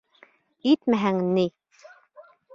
Итмәһәң ни?